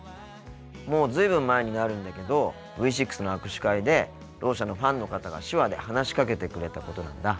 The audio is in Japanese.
もう随分前になるんだけどＶ６の握手会でろう者のファンの方が手話で話しかけてくれたことなんだ。